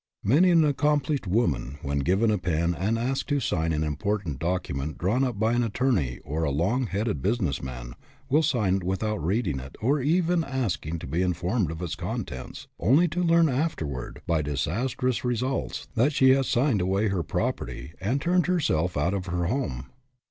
Many an accomplished woman, when given a pen and asked to sign an important document drawn up by an attorney or a long headed business man, will sign it without reading it or even asking to be informed of its contents, HAD MONEY BUT LOST IT 183 only to learn afterwards by disastrous results that she has signed away her property and turned herself out of her home.